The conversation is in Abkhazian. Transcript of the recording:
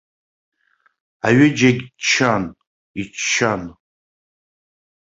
Аҩыџьагь ччон, иччон.